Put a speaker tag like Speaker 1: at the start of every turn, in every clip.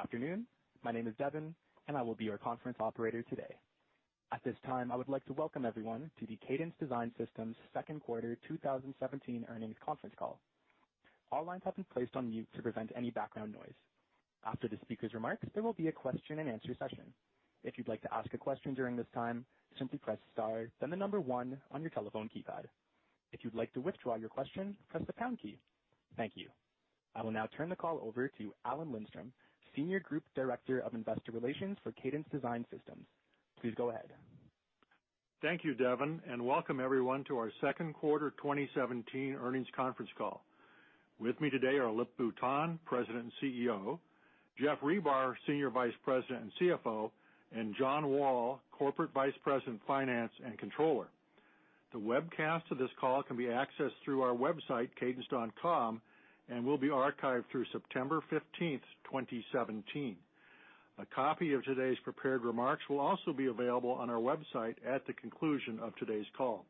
Speaker 1: Good afternoon. My name is Devon, and I will be your conference operator today. At this time, I would like to welcome everyone to the Cadence Design Systems second quarter 2017 earnings conference call. All lines have been placed on mute to prevent any background noise. After the speaker's remarks, there will be a question and answer session. If you'd like to ask a question during this time, simply press star then the number 1 on your telephone keypad. If you'd like to withdraw your question, press the pound key. Thank you. I will now turn the call over to Alan Lindstrom, Senior Group Director of Investor Relations for Cadence Design Systems. Please go ahead.
Speaker 2: Thank you, Devon, and welcome everyone to our second quarter 2017 earnings conference call. With me today are Lip-Bu Tan, President and CEO, Geoff Ribar, Senior Vice President and CFO, and John Wall, Corporate Vice President, Finance and Controller. The webcast of this call can be accessed through our website, cadence.com, and will be archived through September 15th, 2017. A copy of today's prepared remarks will also be available on our website at the conclusion of today's call.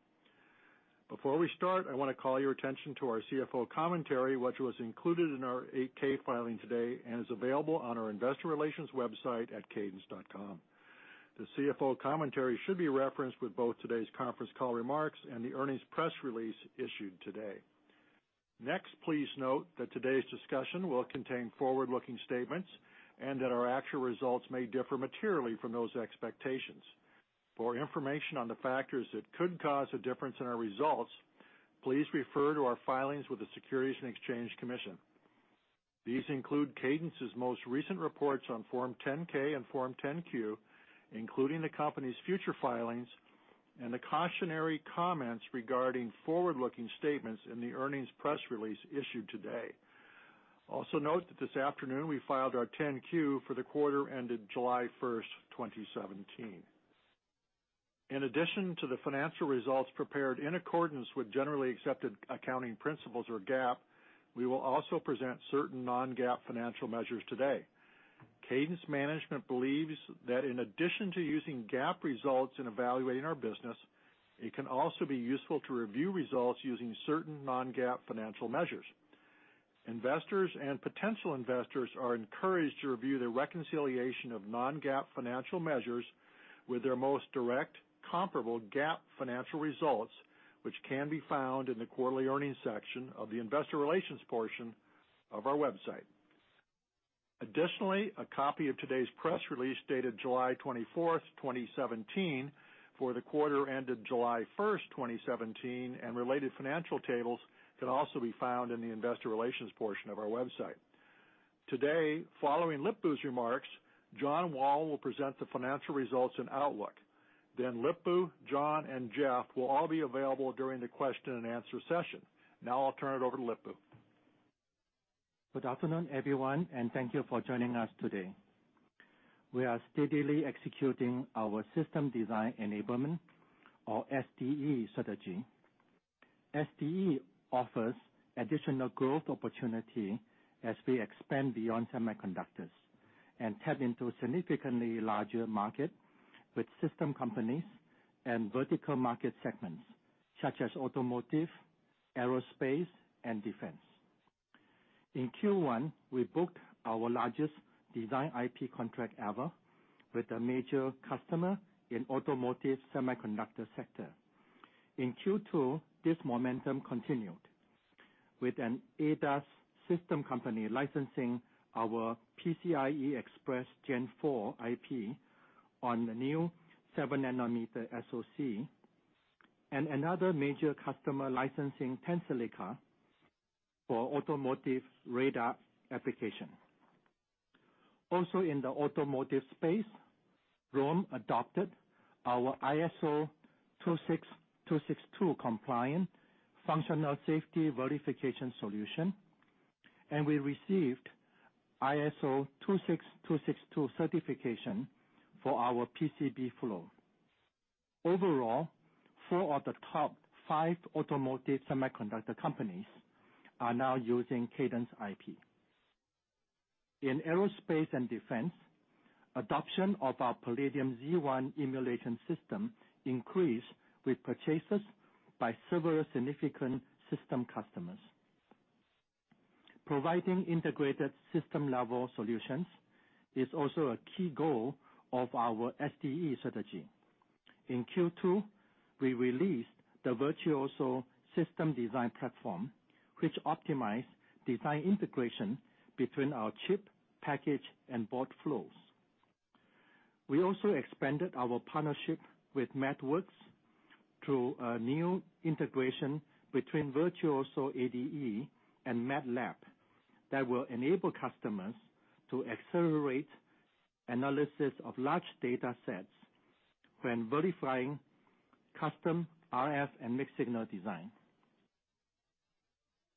Speaker 2: Before we start, I want to call your attention to our CFO commentary, which was included in our 8-K filing today and is available on our investor relations website at cadence.com. The CFO commentary should be referenced with both today's conference call remarks and the earnings press release issued today. Please note that today's discussion will contain forward-looking statements and that our actual results may differ materially from those expectations. For information on the factors that could cause a difference in our results, please refer to our filings with the Securities and Exchange Commission. These include Cadence's most recent reports on Form 10-K and Form 10-Q, including the company's future filings and the cautionary comments regarding forward-looking statements in the earnings press release issued today. Also note that this afternoon we filed our 10-Q for the quarter ended July 1st, 2017. In addition to the financial results prepared in accordance with Generally Accepted Accounting Principles or GAAP, we will also present certain non-GAAP financial measures today. Cadence management believes that in addition to using GAAP results in evaluating our business, it can also be useful to review results using certain non-GAAP financial measures. Investors and potential investors are encouraged to review their reconciliation of non-GAAP financial measures with their most direct comparable GAAP financial results, which can be found in the quarterly earnings section of the investor relations portion of our website. Additionally, a copy of today's press release, dated July 24th, 2017, for the quarter ended July 1st, 2017, and related financial tables can also be found in the investor relations portion of our website. Today, following Lip-Bu's remarks, John Wall will present the financial results and outlook. Lip-Bu, John, and Jeff will all be available during the question and answer session. I'll turn it over to Lip-Bu.
Speaker 3: Good afternoon, everyone, and thank you for joining us today. We are steadily executing our System Design Enablement, or SDE strategy. SDE offers additional growth opportunity as we expand beyond semiconductors and tap into a significantly larger market with system companies and vertical market segments, such as automotive, aerospace, and defense. In Q1, we booked our largest design IP contract ever with a major customer in automotive semiconductor sector. In Q2, this momentum continued with an ADAS system company licensing our PCIe Gen 4 IP on the new seven nanometer SoC, and another major customer licensing Tensilica for automotive radar application. Also in the automotive space, ROHM adopted our ISO 26262 compliant functional safety verification solution, and we received ISO 26262 certification for our PCB flow. Overall, four of the top five automotive semiconductor companies are now using Cadence IP. In aerospace and defense, adoption of our Palladium Z1 emulation system increased with purchases by several significant system customers. Providing integrated system-level solutions is also a key goal of our SDE strategy. In Q2, we released the Virtuoso system design platform, which optimized design integration between our chip, package, and board flows. We also expanded our partnership with MathWorks through a new integration between Virtuoso ADE and MATLAB that will enable customers to accelerate analysis of large data sets when verifying custom RF and mixed signal design.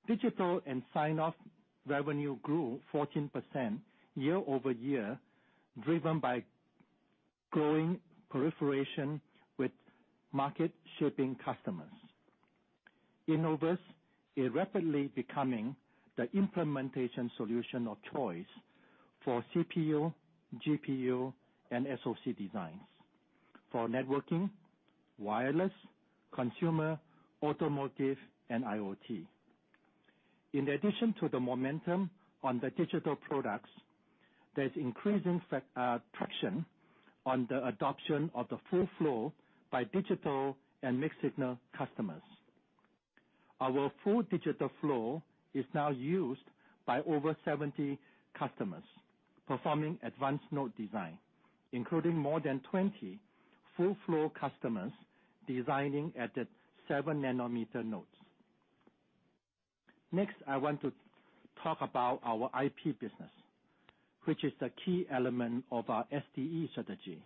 Speaker 3: Digital and sign-off revenue grew 14% year-over-year, driven by growing proliferation with market-shipping customers. Innovus is rapidly becoming the implementation solution of choice for CPU, GPU, and SoC designs. For networking, wireless, consumer, automotive, and IoT. In addition to the momentum on the digital products, there's increasing traction on the adoption of the full flow by digital and mixed signal customers. Our full digital flow is now used by over 70 customers performing advanced node design, including more than 20 full flow customers designing at the seven nanometer nodes. I want to talk about our IP business, which is the key element of our SDE strategy.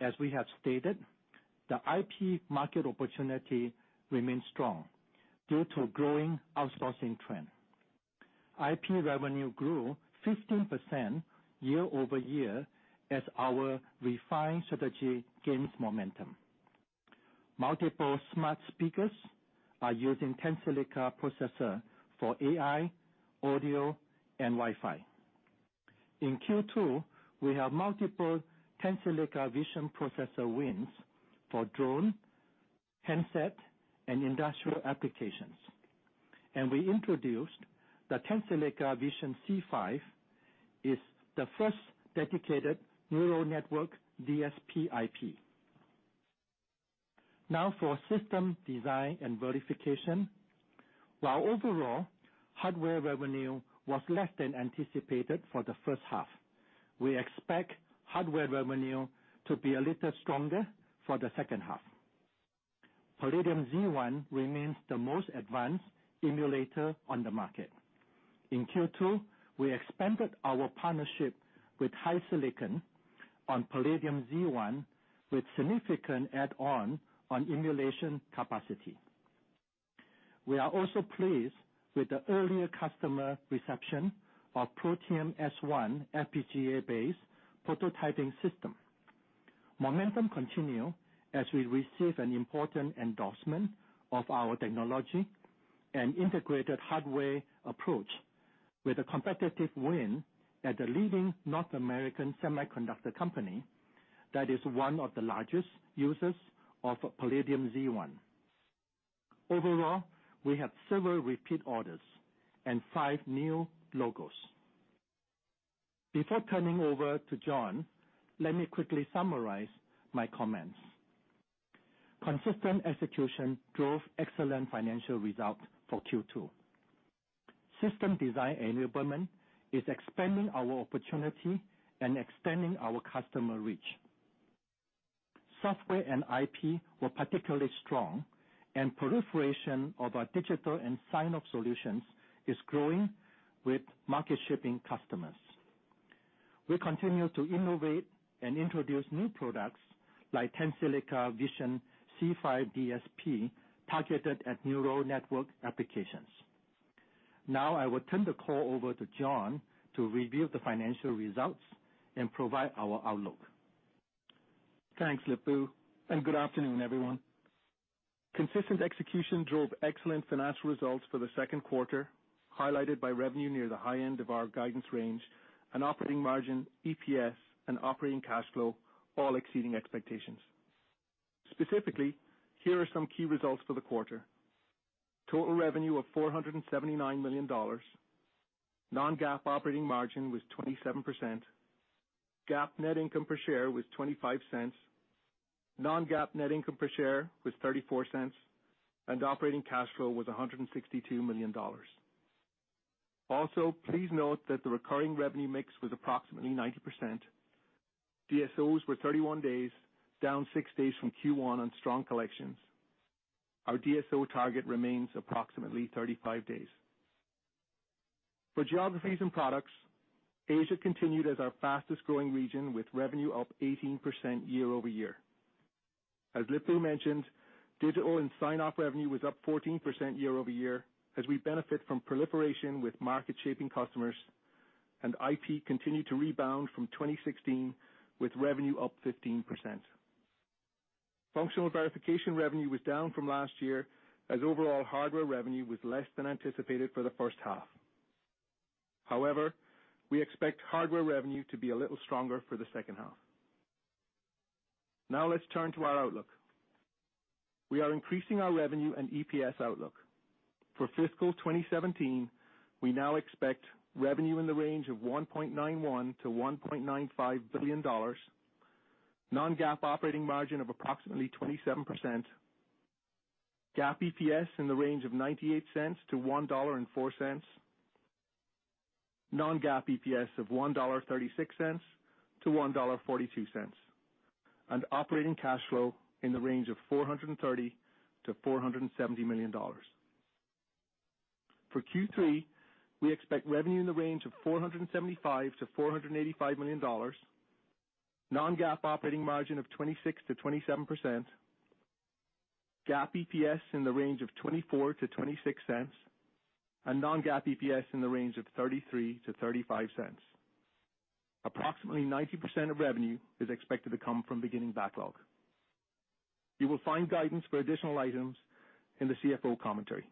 Speaker 3: As we have stated, the IP market opportunity remains strong due to growing outsourcing trend. IP revenue grew 15% year-over-year as our refined strategy gains momentum. Multiple smart speakers are using Tensilica processor for AI, audio, and Wi-Fi. In Q2, we have multiple Tensilica Vision processor wins for drone, handset, and industrial applications. We introduced the Tensilica Vision C5, is the first dedicated neural network DSP IP. For system design and verification. While overall hardware revenue was less than anticipated for the first half, we expect hardware revenue to be a little stronger for the second half. Palladium Z1 remains the most advanced emulator on the market. In Q2, we expanded our partnership with HiSilicon on Palladium Z1 with significant add-on, on emulation capacity. We are also pleased with the earlier customer reception of Protium S1 FPGA-based prototyping system. Momentum continue as we receive an important endorsement of our technology and integrated hardware approach with a competitive win at the leading North American semiconductor company that is one of the largest users of Palladium Z1. Overall, we have several repeat orders and five new logos. Before turning over to John, let me quickly summarize my comments. Consistent execution drove excellent financial result for Q2. System Design Enablement is expanding our opportunity and extending our customer reach. Software and IP were particularly strong, and proliferation of our digital and sign-off solutions is growing with market-shaping customers. We continue to innovate and introduce new products like Tensilica Vision C5 DSP targeted at neural network applications. I will turn the call over to John to review the financial results and provide our outlook.
Speaker 4: Thanks, Lip-Bu, good afternoon, everyone. Consistent execution drove excellent financial results for the second quarter, highlighted by revenue near the high end of our guidance range and operating margin, EPS, and operating cash flow, all exceeding expectations. Specifically, here are some key results for the quarter. Total revenue of $479 million. Non-GAAP operating margin was 27%. GAAP net income per share was $0.25. Non-GAAP net income per share was $0.34. Operating cash flow was $162 million. Also, please note that the recurring revenue mix was approximately 90%. DSOs were 31 days, down six days from Q1 on strong collections. Our DSO target remains approximately 35 days. For geographies and products, Asia continued as our fastest-growing region, with revenue up 18% year-over-year. As Lip-Bu mentioned, digital and sign-off revenue was up 14% year-over-year as we benefit from proliferation with market-shaping customers, IP continued to rebound from 2016, with revenue up 15%. Functional verification revenue was down from last year as overall hardware revenue was less than anticipated for the first half. However, we expect hardware revenue to be a little stronger for the second half. Let's turn to our outlook. We are increasing our revenue and EPS outlook. For fiscal 2017, we now expect revenue in the range of $1.91 billion-$1.95 billion, non-GAAP operating margin of approximately 27%, GAAP EPS in the range of $0.98 to $1.04, non-GAAP EPS of $1.36-$1.42, operating cash flow in the range of $430 million-$470 million. For Q3, we expect revenue in the range of $475 million-$485 million, non-GAAP operating margin of 26%-27%, GAAP EPS in the range of $0.24 to $0.26, non-GAAP EPS in the range of $0.33 to $0.35. Approximately 90% of revenue is expected to come from beginning backlog. You will find guidance for additional items in the CFO commentary.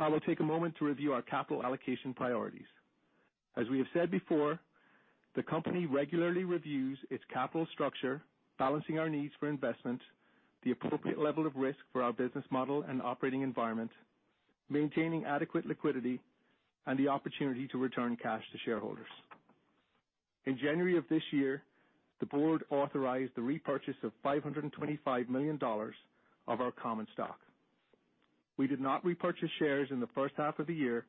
Speaker 4: I will take a moment to review our capital allocation priorities. As we have said before, the company regularly reviews its capital structure, balancing our needs for investment, the appropriate level of risk for our business model and operating environment, maintaining adequate liquidity, and the opportunity to return cash to shareholders. In January of this year, the board authorized the repurchase of $525 million of our common stock. We did not repurchase shares in the first half of the year,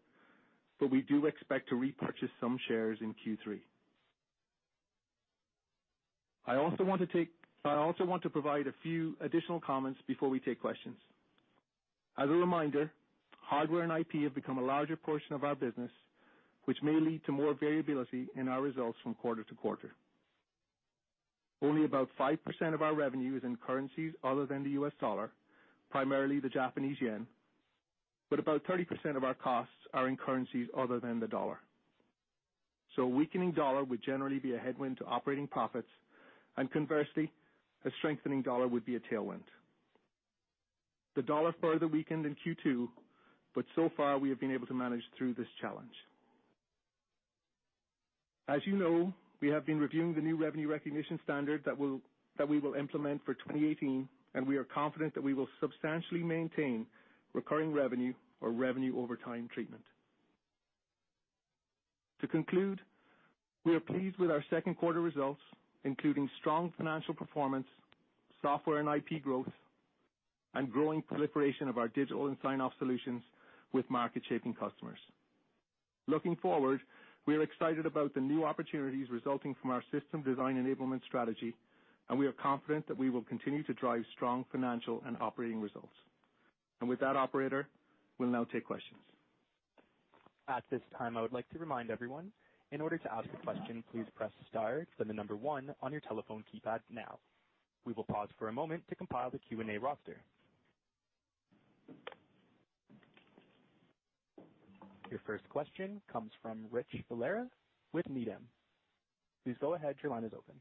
Speaker 4: but we do expect to repurchase some shares in Q3. I also want to provide a few additional comments before we take questions. As a reminder, hardware and IP have become a larger portion of our business, which may lead to more variability in our results from quarter to quarter. Only about 5% of our revenue is in currencies other than the US dollar, primarily the Japanese yen. About 30% of our costs are in currencies other than the dollar. A weakening dollar would generally be a headwind to operating profits, and conversely, a strengthening dollar would be a tailwind. The dollar further weakened in Q2, but so far we have been able to manage through this challenge. As you know, we have been reviewing the new revenue recognition standard that we will implement for 2018, and we are confident that we will substantially maintain recurring revenue or revenue over time treatment. To conclude, we are pleased with our second quarter results, including strong financial performance, software and IP growth, and growing proliferation of our digital and sign-off solutions with market-shaping customers. Looking forward, we are excited about the new opportunities resulting from our system design enablement strategy, and we are confident that we will continue to drive strong financial and operating results. With that, operator, we'll now take questions.
Speaker 1: At this time, I would like to remind everyone, in order to ask a question, please press star, then the number one on your telephone keypad now. We will pause for a moment to compile the Q&A roster. Your first question comes from Rich Valera with Needham. Please go ahead. Your line is open.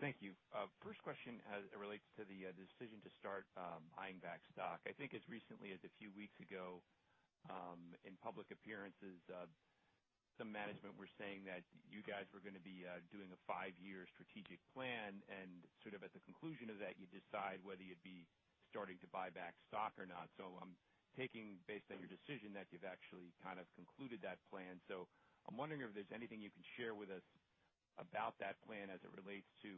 Speaker 5: Thank you. First question relates to the decision to start buying back stock. I think as recently as a few weeks ago, in public appearances, some management were saying that you guys were going to be doing a five-year strategic plan and sort of at the conclusion of that, you decide whether you'd be starting to buy back stock or not. I'm taking, based on your decision, that you've actually kind of concluded that plan. I'm wondering if there's anything you can share with us about that plan as it relates to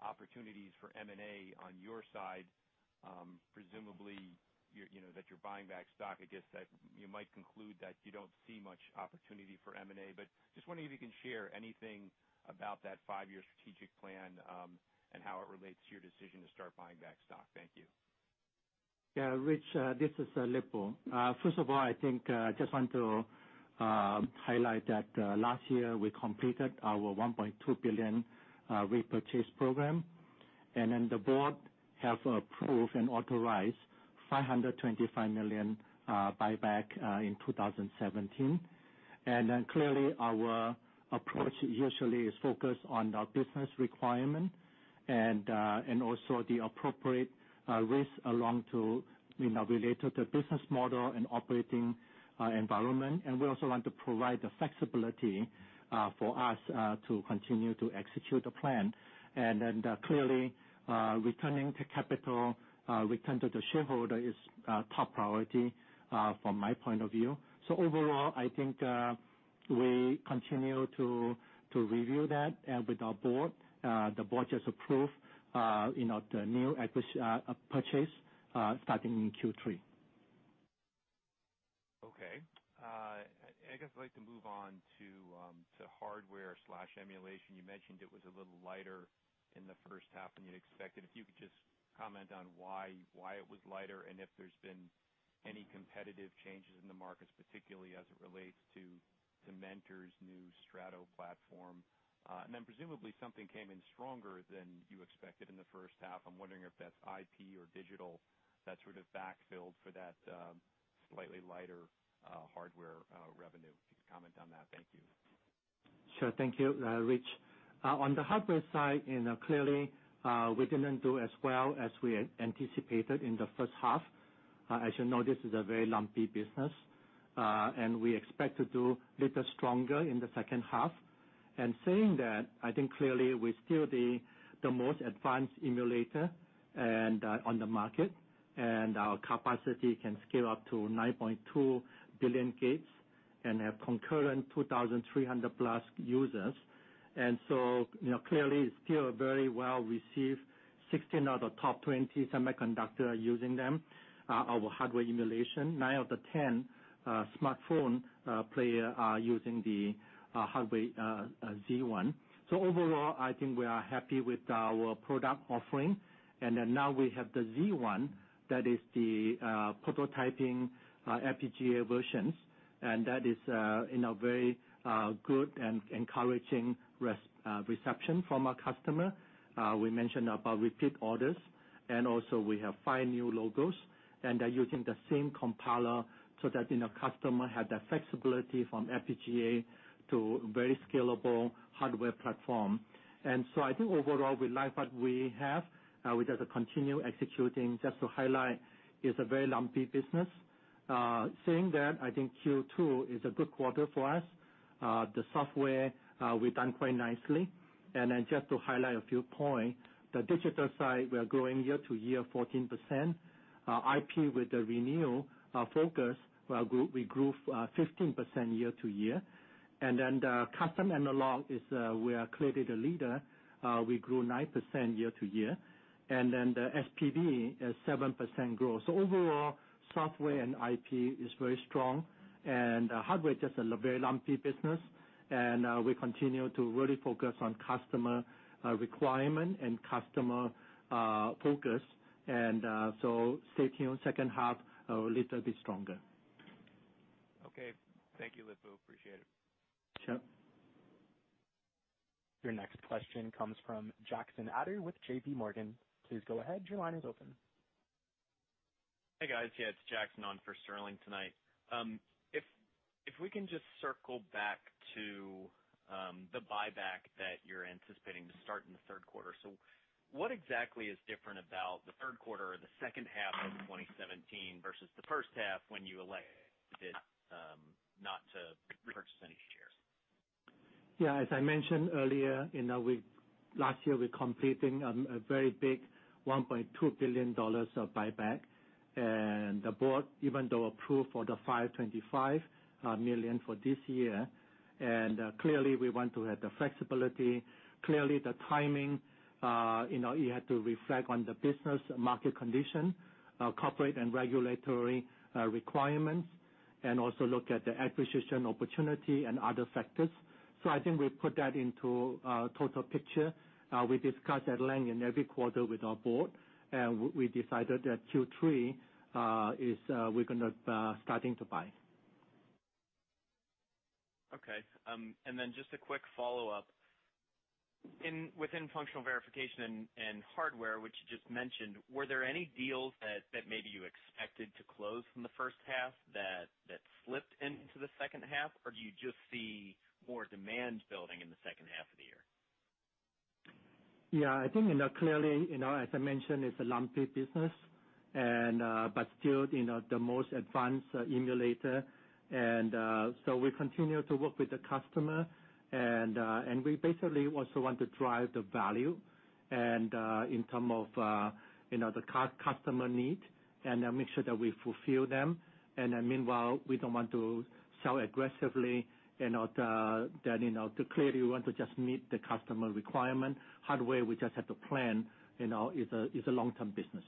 Speaker 5: opportunities for M&A on your side. Presumably, that you're buying back stock, I guess that you might conclude that you don't see much opportunity for M&A. Just wondering if you can share anything about that five-year strategic plan, and how it relates to your decision to start buying back stock. Thank you.
Speaker 3: Rich. This is Lip-Bu. First of all, I just want to highlight that last year we completed our $1.2 billion repurchase program. The board has approved and authorized $525 million buyback in 2017. Clearly, our approach usually is focused on the business requirement and also the appropriate risk related to business model and operating environment. We also want to provide the flexibility for us to continue to execute the plan. Clearly, returning to capital, return to the shareholder is top priority from my point of view. Overall, we continue to review that with our board. The board just approved the new purchase starting in Q3.
Speaker 5: I'd like to move on to hardware/emulation. You mentioned it was a little lighter in the first half than you'd expected. If you could just comment on why it was lighter and if there's been any competitive changes in the markets, particularly as it relates to Mentor's new Veloce Strato platform. Presumably something came in stronger than you expected in the first half. I'm wondering if that's IP or digital that sort of backfilled for that slightly lighter hardware revenue. If you could comment on that. Thank you.
Speaker 3: Thank you, Rich. On the hardware side, clearly, we didn't do as well as we had anticipated in the first half. As you know, this is a very lumpy business. We expect to do a little stronger in the second half. Saying that, clearly we're still the most advanced emulator on the market. Our capacity can scale up to 9.2 billion gates and have concurrent 2,300-plus users. Clearly, still very well received. 16 out of the top 20 semiconductor are using them, our hardware emulation. Nine of the 10 smartphone players are using the hardware Z1. Overall, we are happy with our product offering. Now we have the Z1, that is the prototyping FPGA versions, and that is in a very good and encouraging reception from our customer. We mentioned about repeat orders. We also have five new logos. They're using the same compiler so that customer has that flexibility from FPGA to very scalable hardware platform. Overall, we like what we have. We just continue executing. Just to highlight, it's a very lumpy business. Saying that, Q2 is a good quarter for us. The software, we've done quite nicely. Just to highlight a few points, the digital side, we are growing year-over-year 14%. IP with the renewal focus, we grew 15% year-over-year. The custom analog, we are clearly the leader. We grew 9% year-over-year. The SDE is 7% growth. Overall, software and IP is very strong. Hardware is just a very lumpy business, and we continue to really focus on customer requirement and customer focus. stay tuned second half, a little bit stronger.
Speaker 5: Okay. Thank you, Lip-Bu. Appreciate it.
Speaker 3: Sure.
Speaker 1: Your next question comes from Jackson Ader with J.P. Morgan. Please go ahead. Your line is open.
Speaker 6: Hey, guys. Yeah, it's Jackson on for Sterling tonight. If we can just circle back to the buyback that you're anticipating to start in the third quarter. What exactly is different about the third quarter or the second half of 2017 versus the first half when you elected not to repurchase any shares?
Speaker 3: Yeah, as I mentioned earlier, last year we completing a very big $1.2 billion of buyback. The board, even though approved for the $525 million for this year, Clearly, we want to have the flexibility. Clearly, the timing, it had to reflect on the business market condition, corporate and regulatory requirements, and also look at the acquisition opportunity and other factors. I think we put that into a total picture. We discuss at length in every quarter with our board, and we decided that Q3, we're going to starting to buy.
Speaker 6: Okay. Just a quick follow-up. Within functional verification and hardware, which you just mentioned, were there any deals that maybe you expected to close from the first half that slipped into the second half? Do you just see more demand building in the second half of the year?
Speaker 3: Yeah, I think clearly, as I mentioned, it's a lumpy business. Still, the most advanced emulator. We continue to work with the customer, and we basically also want to drive the value in term of the customer need and make sure that we fulfill them. Meanwhile, we don't want to sell aggressively. Clearly, we want to just meet the customer requirement. Hardware, we just have to plan. It's a long-term business.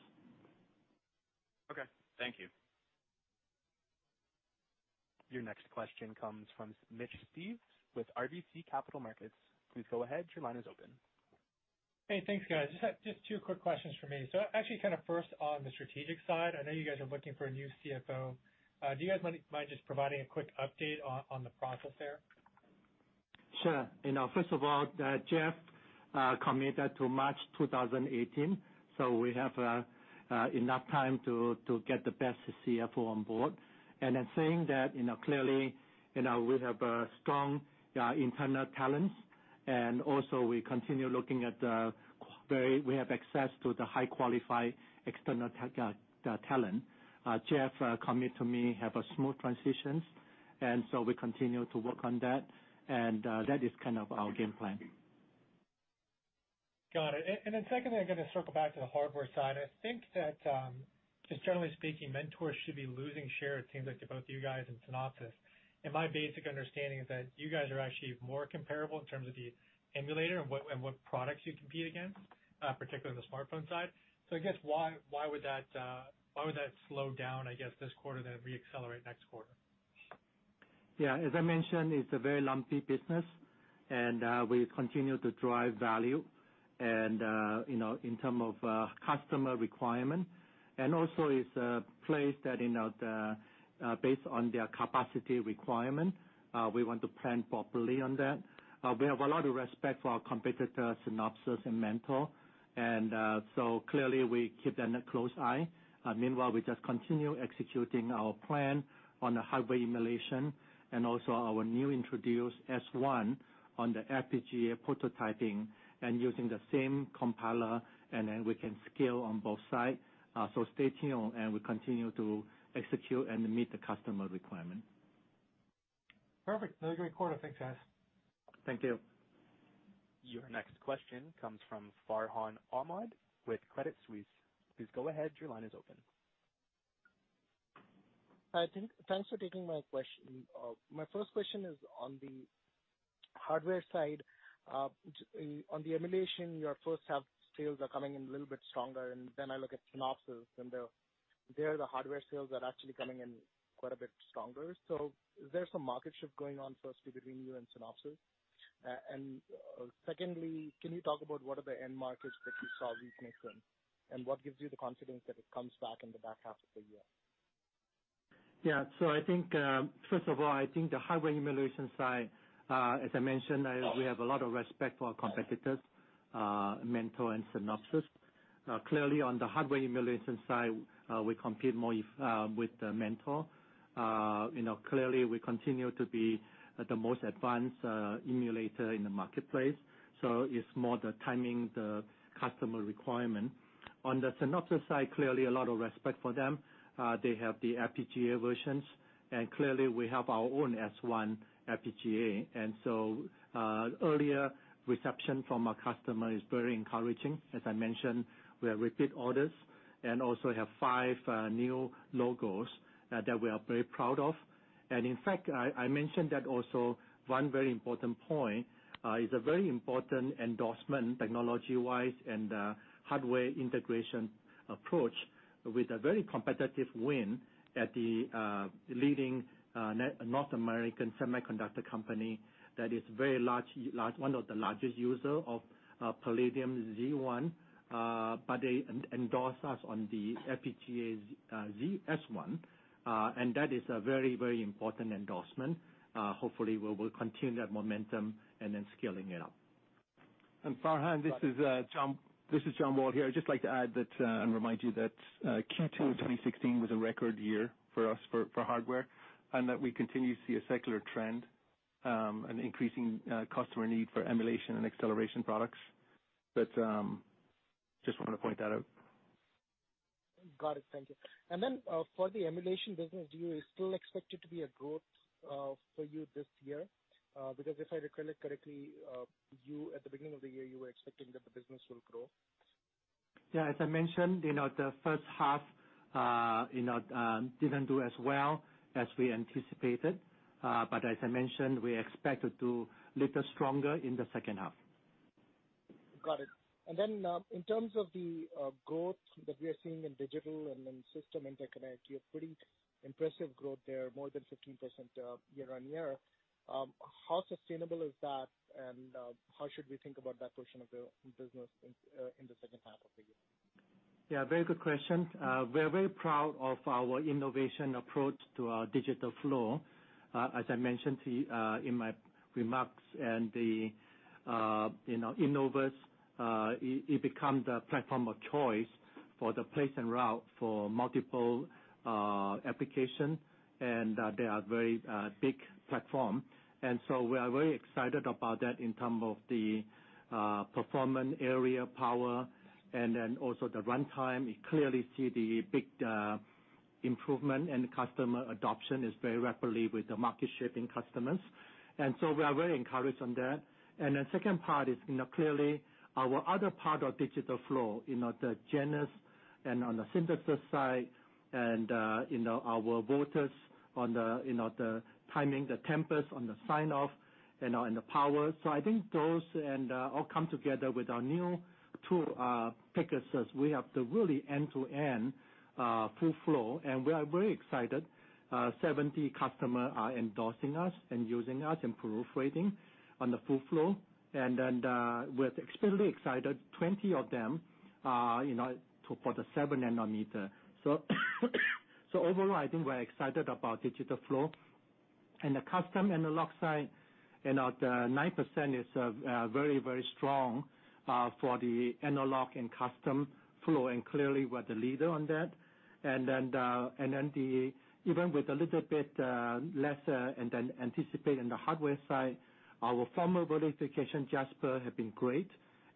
Speaker 6: Okay. Thank you.
Speaker 1: Your next question comes from Mitch Steves with RBC Capital Markets. Please go ahead. Your line is open.
Speaker 7: Hey, thanks guys. Just two quick questions from me. Actually, kind of first on the strategic side, I know you guys are looking for a new CFO. Do you guys mind just providing a quick update on the process there?
Speaker 3: Sure. First of all, Jeff committed to March 2018. We have enough time to get the best CFO on board. Saying that, clearly, we have strong internal talents, and also we continue looking at the way we have access to the high-qualified external talent. Jeff commit to me, have a smooth transition. We continue to work on that, and that is kind of our game plan.
Speaker 7: Got it. Secondly, I'm going to circle back to the hardware side. I think that, just generally speaking, Mentor should be losing share, it seems like, to both you guys and Synopsys. My basic understanding is that you guys are actually more comparable in terms of the emulator and what products you compete against, particularly on the smartphone side. I guess why would that slow down, I guess, this quarter then re-accelerate next quarter?
Speaker 3: Yeah. As I mentioned, it's a very lumpy business, and we continue to drive value in terms of customer requirement. Also, it's a place that based on their capacity requirement, we want to plan properly on that. We have a lot of respect for our competitor, Synopsys and Mentor. Clearly, we keep a close eye. Meanwhile, we just continue executing our plan on the hardware emulation and also our new introduced S1 on the FPGA prototyping and using the same compiler, and then we can scale on both sides. Stay tuned, and we continue to execute and meet the customer requirement.
Speaker 7: Perfect. Another great quarter. Thanks, guys.
Speaker 3: Thank you.
Speaker 1: Your next question comes from Farhan Ahmad with Credit Suisse. Please go ahead. Your line is open.
Speaker 8: Thanks for taking my question. My first question is on the hardware side. On the emulation, your first half sales are coming in a little bit stronger. I look at Synopsys, their hardware sales are actually coming in quite a bit stronger. Is there some market shift going on firstly between you and Synopsys? Secondly, can you talk about what are the end markets that you saw weakness in, and what gives you the confidence that it comes back in the back half of the year?
Speaker 3: Yeah. First of all, I think the hardware emulation side, as I mentioned, we have a lot of respect for our competitors, Mentor and Synopsys. Clearly, on the hardware emulation side, we compete more with Mentor. Clearly, we continue to be the most advanced emulator in the marketplace, so it's more the timing, the customer requirement. On the Synopsys side, clearly a lot of respect for them. They have the FPGA versions and clearly we have our own S1 FPGA. Earlier reception from a customer is very encouraging. As I mentioned, we have repeat orders and also have five new logos that we are very proud of. In fact, I mentioned that also one very important point is a very important endorsement technology-wise and hardware integration approach with a very competitive win at the leading North American semiconductor company that is one of the largest user of Palladium Z1, but they endorsed us on the FPGA ZS1. That is a very important endorsement. Hopefully, we will continue that momentum scaling it up.
Speaker 4: Farhan, this is John Wall here. I'd just like to add that and remind you that Q2 2016 was a record year for us for hardware. We continue to see a secular trend, an increasing customer need for emulation and acceleration products. Just want to point that out.
Speaker 8: Got it. Thank you. For the emulation business, do you still expect it to be a growth for you this year? If I recall it correctly, at the beginning of the year, you were expecting that the business will grow.
Speaker 3: As I mentioned, the first half didn't do as well as we anticipated. As I mentioned, we expected to little stronger in the second half.
Speaker 8: Got it. In terms of the growth that we are seeing in digital and then system interconnect, you're putting impressive growth there, more than 15% year-over-year. How sustainable is that and how should we think about that portion of the business in the second half of the year?
Speaker 3: Very good question. We are very proud of our innovation approach to our digital flow. As I mentioned in my remarks, the Innovus, it become the platform of choice for the place and route for multiple application, they are very big platform. We are very excited about that in term of the performance area, power, and then also the runtime. You clearly see the big improvement and customer adoption is very rapidly with the market-shaping customers. We are very encouraged on that. The second part is clearly our other part of digital flow, the Genus and on the synthesis side and our Virtuoso on the timing, the Tempus on the signoff and the power. I think those and all come together with our new tool, Pegasus. We have the really end-to-end full flow, we are very excited. 70 customers are endorsing us and using us and proofreading on the full flow. We're extremely excited, 20 of them for the 7 nanometer. Overall, I think we're excited about digital flow. The custom analog side, the 9% is very strong for the analog and custom flow, and clearly we're the leader on that. Even with a little bit lesser than anticipated in the hardware side, our formal verification, JasperGold, have been great.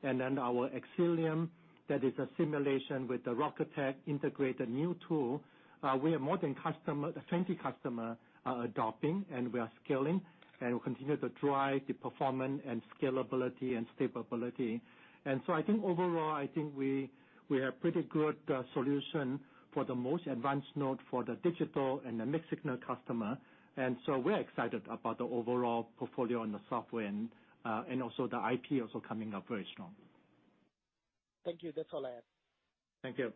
Speaker 3: Our Xcelium, that is a simulation with the Rocketick integrated new tool. We have more than 20 customers are adopting, and we are scaling, and we continue to drive the performance and scalability and stability. I think overall, I think we have pretty good solution for the most advanced node for the digital and the mixed signal customer. We're excited about the overall portfolio on the software and also the IP also coming up very strong.
Speaker 8: Thank you. That's all I have.
Speaker 3: Thank you.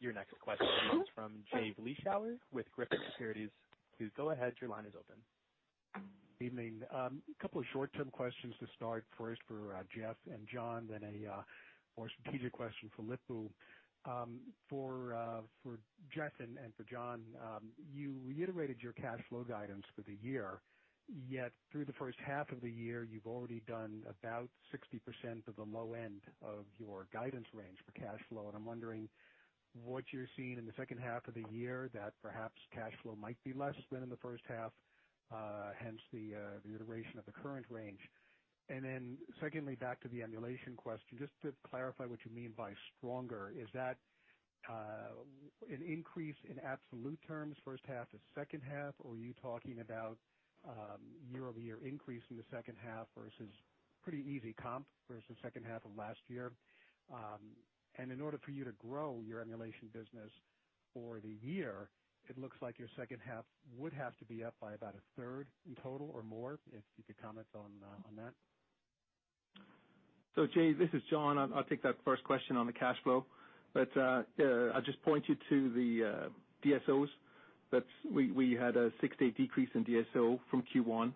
Speaker 1: Your next question is from Jay Vleeschhouwer with Griffin Securities. Please go ahead. Your line is open.
Speaker 9: Evening. Couple of short-term questions to start, first for Geoff and John, then a more strategic question for Lip-Bu. For Geoff and for John, you reiterated your cash flow guidance for the year, yet through the first half of the year, you've already done about 60% of the low end of your guidance range for cash flow, and I'm wondering what you're seeing in the second half of the year that perhaps cash flow might be less than in the first half, hence the iteration of the current range. Secondly, back to the emulation question, just to clarify what you mean by stronger, is that an increase in absolute terms, first half to second half, or are you talking about year-over-year increase in the second half versus pretty easy comp versus second half of last year? In order for you to grow your emulation business for the year, it looks like your second half would have to be up by about a third in total or more, if you could comment on that.
Speaker 4: Jay, this is John. I'll take that first question on the cash flow. I'll just point you to the DSOs. We had a 60 decrease in DSO from Q1.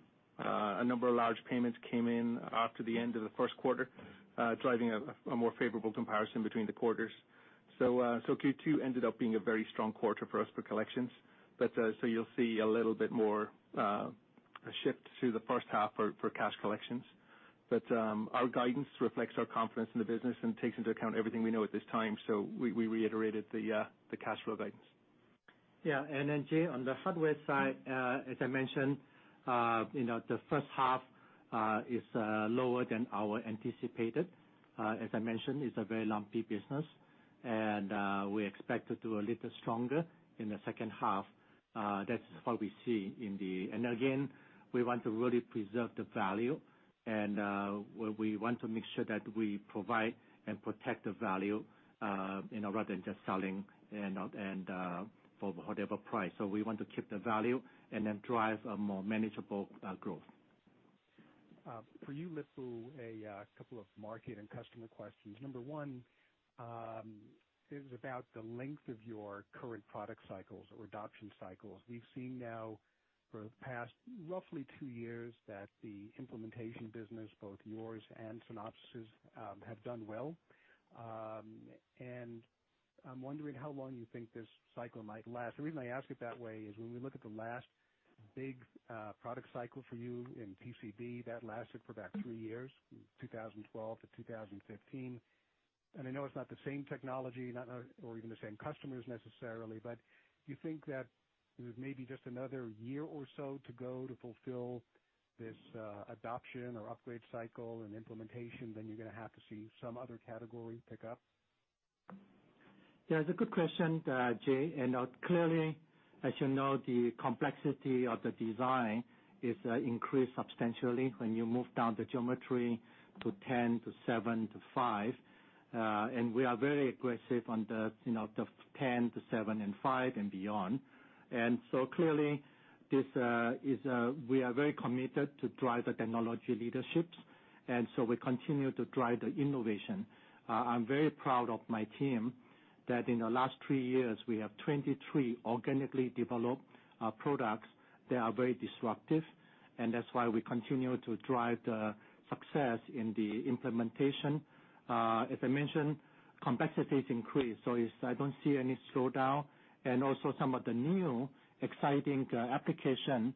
Speaker 4: A number of large payments came in after the end of the first quarter, driving a more favorable comparison between the quarters. Q2 ended up being a very strong quarter for us for collections. Our guidance reflects our confidence in the business and takes into account everything we know at this time, so we reiterated the cash flow guidance.
Speaker 3: Yeah. Jay, on the hardware side, as I mentioned, the first half is lower than our anticipated. As I mentioned, it's a very lumpy business, and we expect it to a little stronger in the second half. That's what we see. Again, we want to really preserve the value and we want to make sure that we provide and protect the value rather than just selling and for whatever price. We want to keep the value and then drive a more manageable growth.
Speaker 9: For you, Lip-Bu, a couple of market and customer questions. Number one is about the length of your current product cycles or adoption cycles. We've seen now for the past roughly two years that the implementation business, both yours and Synopsys, have done well. I'm wondering how long you think this cycle might last. The reason I ask it that way is when we look at the last big product cycle for you in PCB, that lasted for about three years, 2012 to 2015. I know it's not the same technology, not or even the same customers necessarily, but do you think that it was maybe just another year or so to go to fulfill this adoption or upgrade cycle and implementation, then you're going to have to see some other category pick up?
Speaker 3: Yeah, it's a good question, Jay. Clearly, as you know, the complexity of the design is increased substantially when you move down the geometry to 10 to seven to five. We are very aggressive on the 10 to seven and five and beyond. Clearly, we are very committed to drive the technology leaderships, we continue to drive the innovation. I'm very proud of my team, that in the last three years, we have 23 organically developed products that are very disruptive, that's why we continue to drive the success in the implementation. As I mentioned, complexity is increased, I don't see any slowdown. Also some of the new exciting application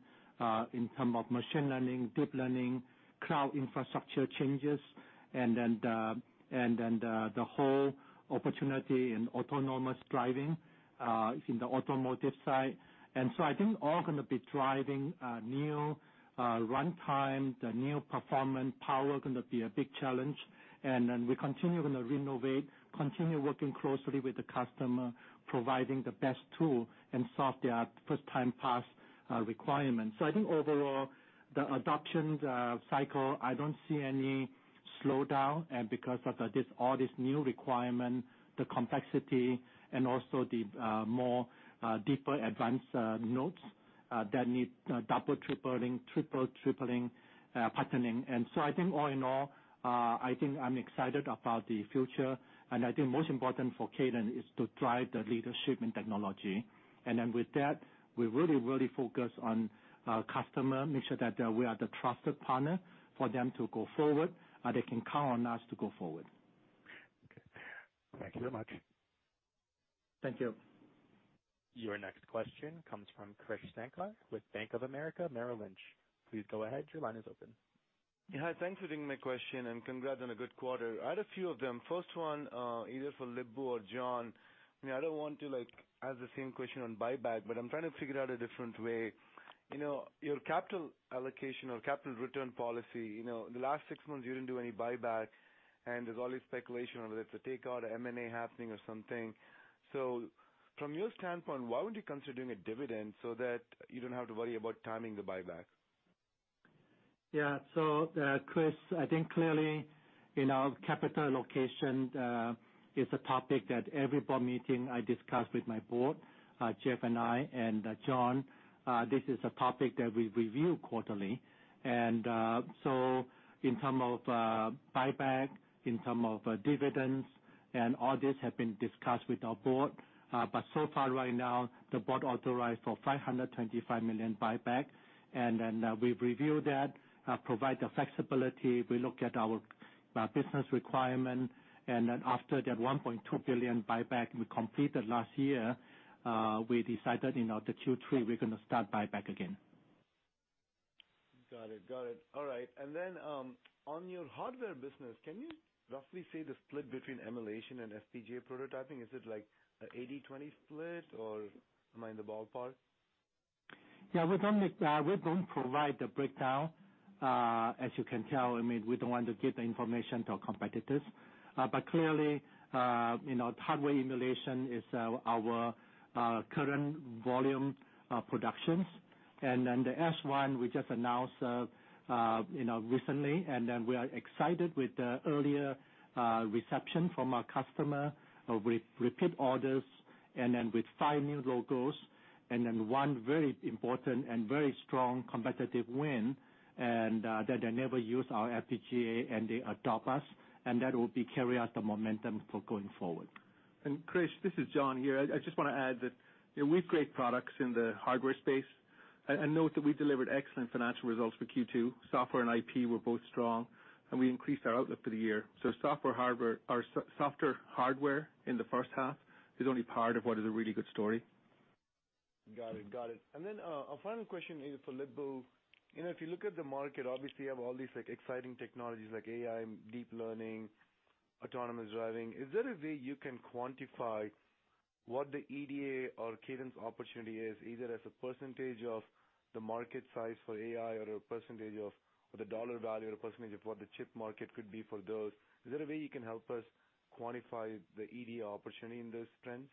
Speaker 3: in term of machine learning, deep learning, cloud infrastructure changes, and then the whole opportunity in autonomous driving in the automotive side. I think all going to be driving new runtime, the new performance, power going to be a big challenge. We continue going to renovate, continue working closely with the customer, providing the best tool and solve their first time pass requirements. I think overall, the adoption cycle, I don't see any slowdown, and because of all this new requirement, the complexity and also the more deeper advanced nodes that need double patterning, triple patterning. I think all in all, I think I'm excited about the future. I think most important for Cadence is to drive the leadership in technology. With that, we really focus on our customer, make sure that we are the trusted partner for them to go forward, or they can count on us to go forward.
Speaker 9: Okay. Thank you very much.
Speaker 3: Thank you.
Speaker 1: Your next question comes from Krish Sankar with Bank of America Merrill Lynch. Please go ahead. Your line is open.
Speaker 10: Hi. Thanks for taking my question. Congrats on a good quarter. I had a few of them. First one either for Lip-Bu or John. I don't want to ask the same question on buyback, I'm trying to figure out a different way. Your capital allocation or capital return policy, the last 6 months, you didn't do any buyback, and there's always speculation on whether it's a takeout or M&A happening or something. From your standpoint, why wouldn't you consider doing a dividend so that you don't have to worry about timing the buyback?
Speaker 3: Yeah. Krish, I think clearly, capital allocation is a topic that every board meeting I discuss with my board, Geoff and I and John Wall. This is a topic that we review quarterly. In terms of buyback, in terms of dividends, and all this have been discussed with our board. So far right now, the board authorized for $525 million buyback. We've reviewed that, provide the flexibility. We look at our business requirement, after that $1.2 billion buyback we completed last year, we decided in the Q3 we're going to start buyback again.
Speaker 10: Got it. All right. On your hardware business, can you roughly say the split between emulation and FPGA prototyping? Is it like a 80/20 split, or am I in the ballpark?
Speaker 3: Yeah. We don't provide the breakdown. As you can tell, we don't want to give the information to our competitors. Clearly, hardware emulation is our current volume productions. The S1 we just announced recently, we are excited with the earlier reception from our customer with repeat orders with five new logos one very important and very strong competitive win, they never use our FPGA and they adopt us, that will be carry out the momentum for going forward.
Speaker 4: Krish, this is John Wall here. I just want to add that we've great products in the hardware space. Note that we delivered excellent financial results for Q2. Software and IP were both strong, we increased our outlook for the year. Software hardware in the first half is only part of what is a really good story.
Speaker 10: Got it. A final question is for Lip-Bu. If you look at the market, obviously, you have all these exciting technologies like AI, deep learning, autonomous driving. Is there a way you can quantify what the EDA or Cadence opportunity is, either as a percentage of the market size for AI or a percentage of the dollar value, or a percentage of what the chip market could be for those? Is there a way you can help us quantify the EDA opportunity in those trends?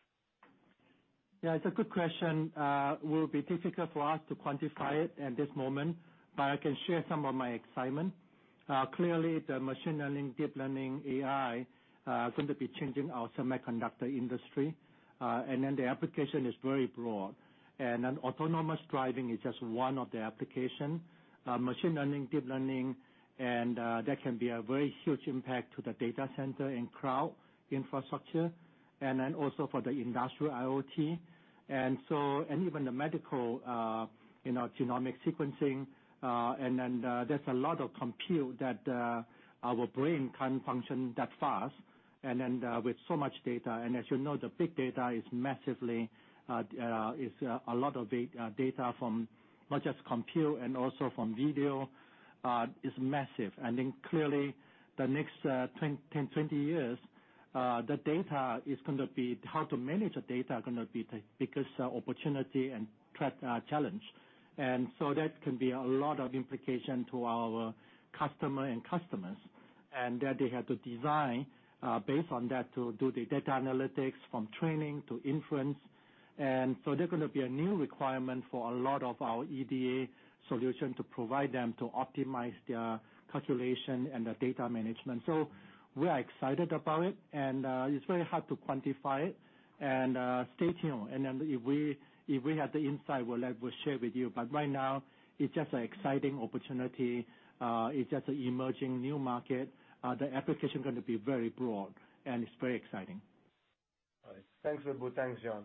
Speaker 3: Yeah, it's a good question. It will be difficult for us to quantify it at this moment, but I can share some of my excitement. Clearly, the machine learning, deep learning, AI are going to be changing our semiconductor industry. The application is very broad. Autonomous driving is just one of the application. Machine learning, deep learning, and that can be a very huge impact to the data center and cloud infrastructure, and then also for the industrial IoT. Even the medical genomic sequencing. There's a lot of compute that our brain can't function that fast. With so much data, and as you know, the big data is a lot of data from not just compute and also from video, is massive. Clearly the next 10, 20 years, how to manage the data are going to be the biggest opportunity and challenge. That can be a lot of implication to our customer and customers. That they have to design based on that to do the data analytics from training to inference. There's going to be a new requirement for a lot of our EDA solution to provide them to optimize their calculation and their data management. We are excited about it, and it's very hard to quantify it and stay tuned. If we have the insight, we'll share with you. Right now, it's just an exciting opportunity. It's just an emerging new market. The application is going to be very broad, and it's very exciting.
Speaker 10: All right. Thanks, Lip-Bu. Thanks, John.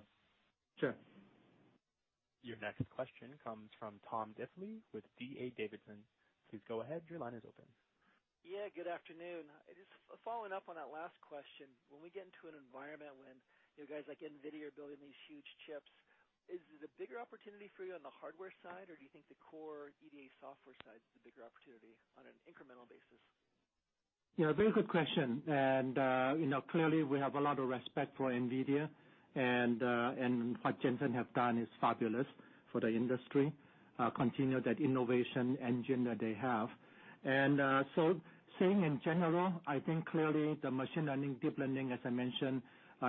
Speaker 3: Sure.
Speaker 1: Your next question comes from Tom Diffley with D.A. Davidson. Please go ahead. Your line is open.
Speaker 11: Yeah, good afternoon. Just following up on that last question. When we get into an environment when you guys like NVIDIA are building these huge chips, is it a bigger opportunity for you on the hardware side, or do you think the core EDA software side is the bigger opportunity on an incremental basis?
Speaker 3: Yeah, very good question. Clearly we have a lot of respect for NVIDIA and what Jensen have done is fabulous for the industry. Continue that innovation engine that they have. Saying in general, I think clearly the machine learning, deep learning, as I mentioned,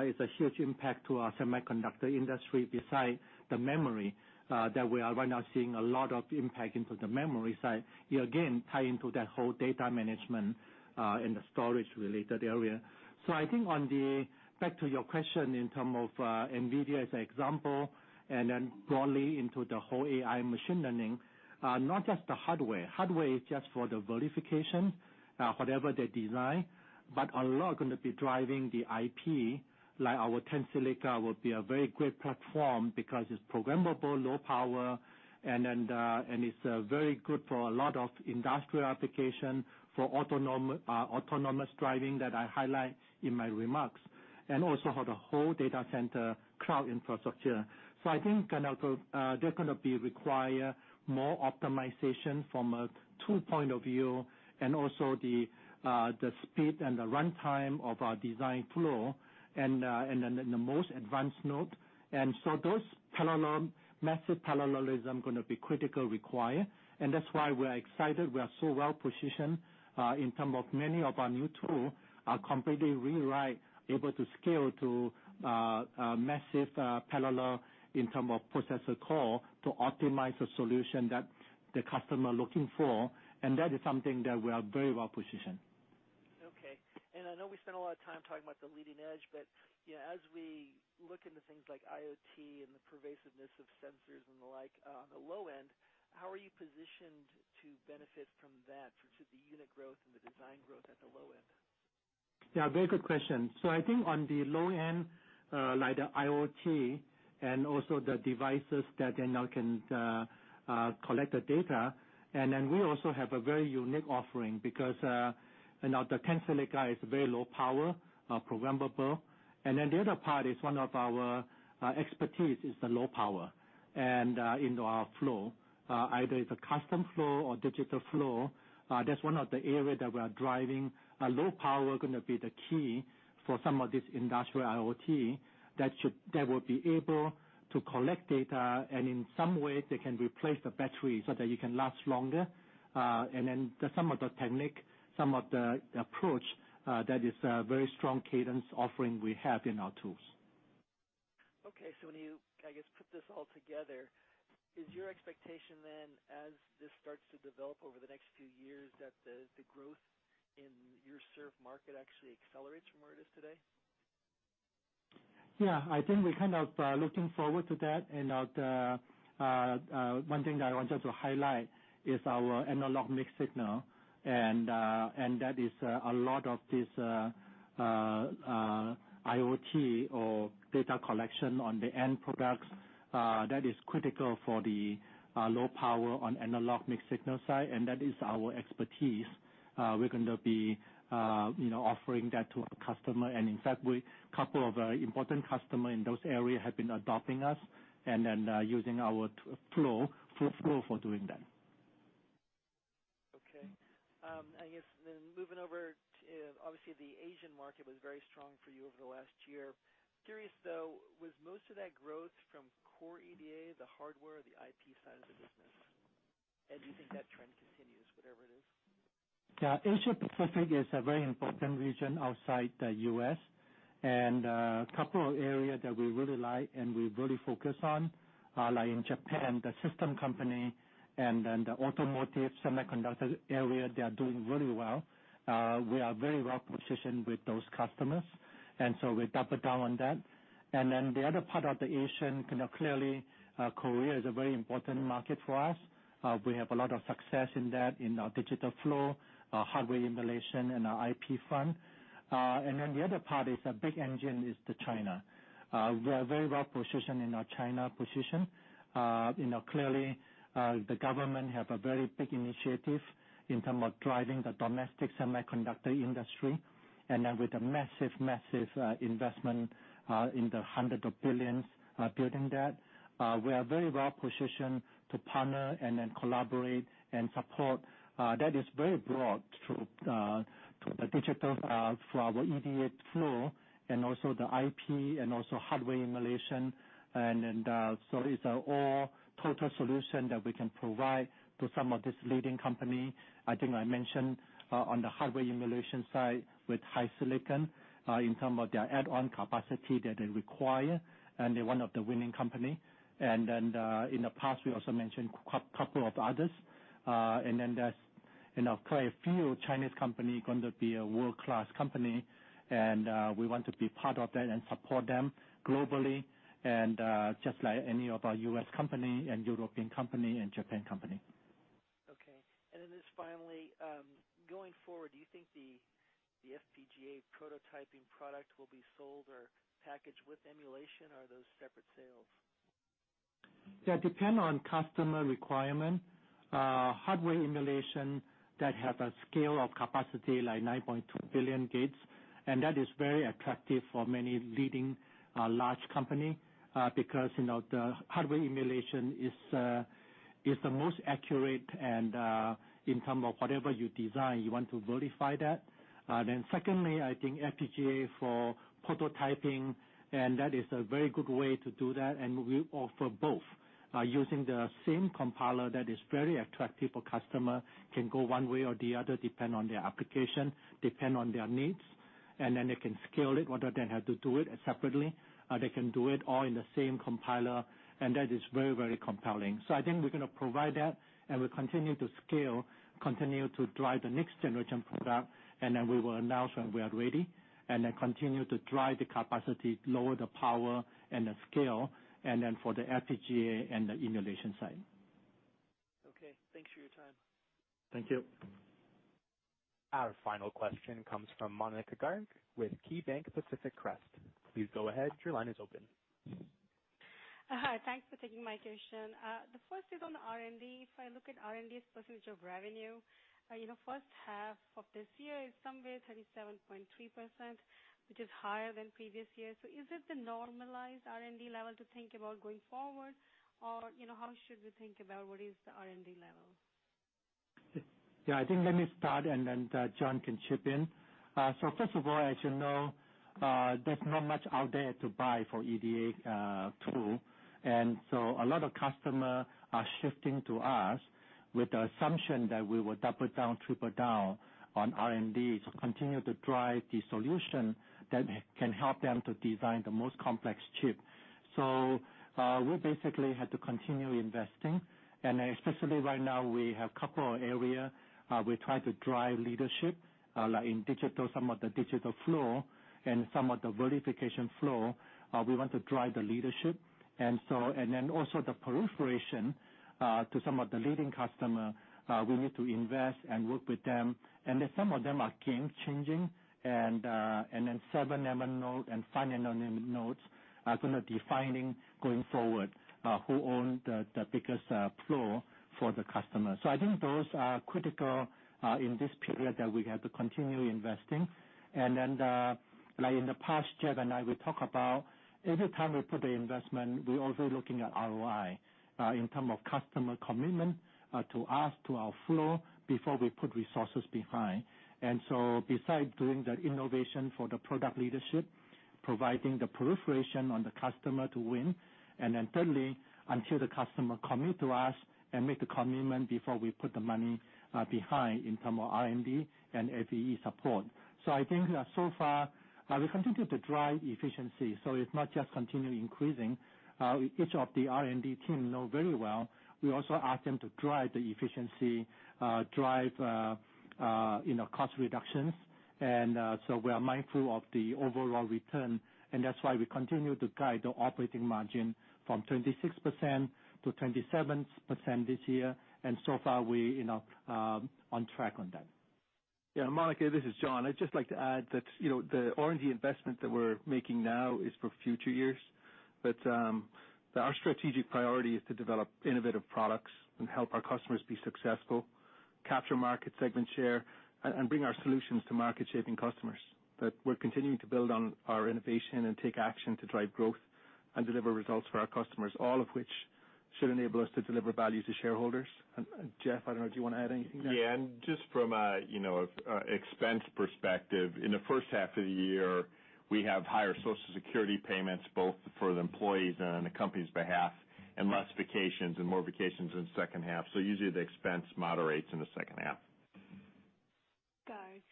Speaker 3: is a huge impact to our semiconductor industry beside the memory that we are right now seeing a lot of impact into the memory side. Again, tie into that whole data management in the storage-related area. I think back to your question in terms of NVIDIA as an example, and then broadly into the whole AI machine learning, not just the hardware. Hardware is just for the verification, whatever they design, a lot going to be driving the IP, like our Tensilica will be a very great platform because it's programmable, low power and it's very good for a lot of industrial application for autonomous driving that I highlight in my remarks. Also for the whole data center cloud infrastructure. I think they're going to be require more optimization from a tool point of view and also the speed and the runtime of our design flow and in the most advanced node. Those massive parallelism going to be critical require, and that's why we are excited. We are so well-positioned in terms of many of our new tool are completely rewrite, able to scale to massive parallel in terms of processor core to optimize the solution that the customer looking for. That is something that we are very well positioned.
Speaker 11: Okay. I know we spent a lot of time talking about the leading edge, but as we look into things like IoT and the pervasiveness of sensors and the like on the low end, how are you positioned to benefit from that to the unit growth and the design growth at the low end?
Speaker 3: Yeah, very good question. I think on the low end, like the IoT and also the devices that now can collect the data. Then we also have a very unique offering because the Tensilica is very low power, programmable. Then the other part is one of our expertise is the low power and in our flow. Either it's a custom flow or digital flow. That's one of the area that we are driving. A low power going to be the key for some of this industrial IoT that will be able to collect data, and in some way, they can replace the battery so that it can last longer. Then some of the technique, some of the approach that is a very strong Cadence offering we have in our tools.
Speaker 11: Okay. When you, I guess, put this all together, is your expectation then as this starts to develop over the next few years, that the growth in your served market actually accelerates from where it is today?
Speaker 3: Yeah. I think we're kind of looking forward to that. One thing that I wanted to highlight is our analog mixed signal. That is a lot of this IoT or data collection on the end products that is critical for the low power on analog mixed signal side. That is our expertise. We're going to be offering that to our customer. In fact, a couple of important customer in those area have been adopting us and then using our flow for doing that.
Speaker 11: Okay. I guess moving over, obviously, the Asian market was very strong for you over the last year. Curious, though, was most of that growth from core EDA, the hardware, or the IP side of the business? Do you think that trend continues whatever it is?
Speaker 3: Yeah. Asia Pacific is a very important region outside the U.S. A couple of area that we really like and we really focus on are like in Japan, the system company and then the automotive semiconductor area, they are doing really well. We are very well-positioned with those customers. So we double down on that. The other part of the Asian, clearly, Korea is a very important market for us. We have a lot of success in that, in our digital flow, our hardware emulation, and our IP front. The other part is a big engine, is the China. We are very well-positioned in our China position. Clearly, the government have a very big initiative in terms of driving the domestic semiconductor industry, with a massive investment in the $ hundreds of billions building that. We are very well-positioned to partner and then collaborate and support. That is very broad to the digital, for our EDA flow and also the IP and also hardware emulation. So it's all total solution that we can provide to some of this leading company. I think I mentioned, on the hardware emulation side with HiSilicon, in terms of their add-on capacity that they require, and they're one of the winning company. In the past, we also mentioned couple of others. There's quite a few Chinese company going to be a world-class company. We want to be part of that and support them globally and just like any of our U.S. company and European company and Japan company.
Speaker 11: Okay. Just finally, going forward, do you think the FPGA prototyping product will be sold or packaged with emulation, or are those separate sales?
Speaker 3: That depend on customer requirement. Hardware emulation that have a scale of capacity like 9.2 billion gates, that is very attractive for many leading large company, because the hardware emulation is the most accurate and in terms of whatever you design, you want to verify that. Secondly, I think FPGA for prototyping, that is a very good way to do that, we offer both, using the same compiler that is very attractive for customer, can go one way or the other depend on their application, depend on their needs, then they can scale it or they have to do it separately. They can do it all in the same compiler, that is very compelling. I think we're going to provide that, we continue to scale, continue to drive the next generation product, we will announce when we are ready, continue to drive the capacity, lower the power and the scale, for the FPGA and the emulation side.
Speaker 11: Okay, thanks for your time.
Speaker 3: Thank you.
Speaker 1: Our final question comes from Monika Garg with KeyBanc Capital Markets. Please go ahead. Your line is open.
Speaker 12: Hi. Thanks for taking my question. The first is on the R&D. If I look at R&D as percentage of revenue, first half of this year is somewhere 37.3%, which is higher than previous years. Is it the normalized R&D level to think about going forward or how should we think about what is the R&D level?
Speaker 3: Yeah, I think let me start, then John can chip in. First of all, as you know, there's not much out there to buy for EDA tool. A lot of customer are shifting to us with the assumption that we will double down, triple down on R&D to continue to drive the solution that can help them to design the most complex chip. We basically had to continue investing. Especially right now, we have couple of area we try to drive leadership, like in digital, some of the digital flow and some of the verification flow, we want to drive the leadership. Also the proliferation, to some of the leading customer, we need to invest and work with them. Some of them are game changing and then seven nano and five nano nodes are going to defining going forward, who own the biggest flow for the customer. I think those are critical in this period that we have to continue investing. Like in the past, Geoff and I we talk about every time we put the investment, we're also looking at ROI, in term of customer commitment, to us, to our flow, before we put resources behind. Besides doing that innovation for the product leadership, providing the proliferation on the customer to win, thirdly, until the customer commit to us and make the commitment before we put the money behind in term of R&D and FAE support. I think so far, we continue to drive efficiency, so it's not just continue increasing. Each of the R&D team know very well. We also ask them to drive the efficiency, drive cost reductions. We are mindful of the overall return, and that's why we continue to guide the operating margin from 26% to 27% this year. So far, we on track on that.
Speaker 4: Yeah, Monika, this is John. I'd just like to add that the R&D investment that we're making now is for future years. Our strategic priority is to develop innovative products and help our customers be successful, capture market segment share, and bring our solutions to market-shaping customers. We're continuing to build on our innovation and take action to drive growth and deliver results for our customers, all of which should enable us to deliver value to shareholders. Geoff, I don't know, do you want to add anything there?
Speaker 13: Yeah. Just from an expense perspective, in the first half of the year, we have higher Social Security payments, both for the employees and on the company's behalf, and less vacations and more vacations in the second half. Usually, the expense moderates in the second half.
Speaker 12: Got it.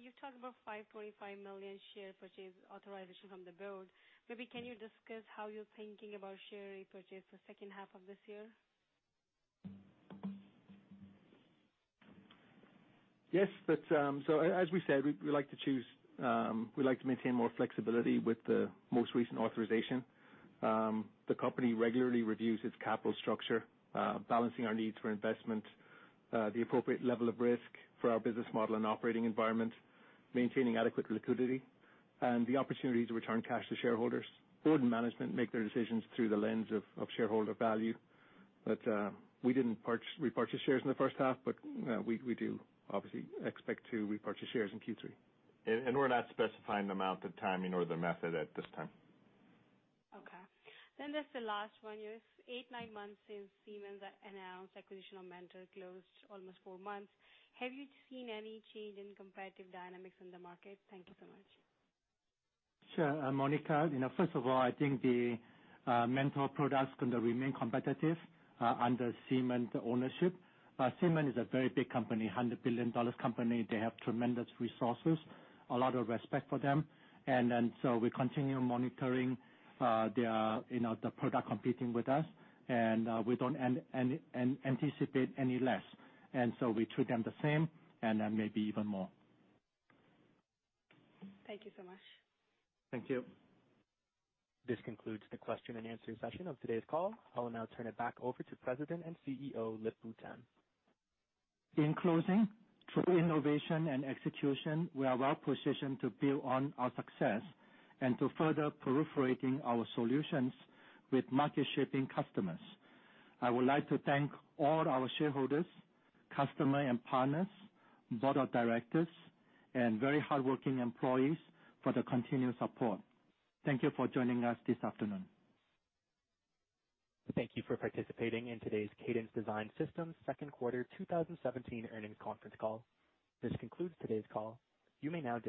Speaker 12: You talked about $525 million share purchase authorization from the board. Maybe can you discuss how you're thinking about share repurchase the second half of this year?
Speaker 4: Yes. As we said, we like to maintain more flexibility with the most recent authorization. The company regularly reviews its capital structure, balancing our needs for investment, the appropriate level of risk for our business model and operating environment, maintaining adequate liquidity, and the opportunity to return cash to shareholders. Board and management make their decisions through the lens of shareholder value. We didn't repurchase shares in the first half, we do obviously expect to repurchase shares in Q3.
Speaker 13: We're not specifying the amount, the timing, or the method at this time.
Speaker 12: Just the last one is, 8, 9 months since Siemens announced acquisition of Mentor, closed almost 4 months. Have you seen any change in competitive dynamics in the market? Thank you so much.
Speaker 3: Sure. Monika, first of all, I think the Mentor products are going to remain competitive under Siemens' ownership. Siemens is a very big company, a $100 billion company. They have tremendous resources. A lot of respect for them. We continue monitoring the product competing with us, and we don't anticipate any less. We treat them the same, and then maybe even more.
Speaker 12: Thank you so much.
Speaker 4: Thank you.
Speaker 1: This concludes the question and answer session of today's call. I will now turn it back over to President and CEO, Lip-Bu Tan.
Speaker 3: In closing, through innovation and execution, we are well-positioned to build on our success and to further proliferating our solutions with market-shaping customers. I would like to thank all our shareholders, customer and partners, board of directors, and very hardworking employees for the continued support. Thank you for joining us this afternoon.
Speaker 1: Thank you for participating in today's Cadence Design Systems second quarter 2017 earnings conference call. This concludes today's call. You may now disconnect.